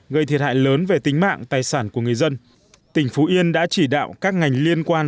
gây thiệt hại lớn về tính mạng tài sản của người dân tỉnh phú yên đã chỉ đạo các ngành liên quan